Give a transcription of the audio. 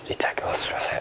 すいません。